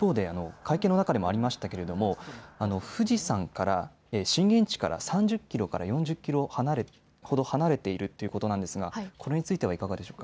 一方で会見の中でもありましたけれども富士山から、震源地から３０キロから４０キロほど離れているということなんですがこれについてはいかがでしょうか。